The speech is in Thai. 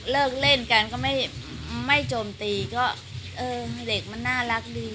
เลิกเล่นกันก็ไม่โจมตีก็เออเด็กมันน่ารักดี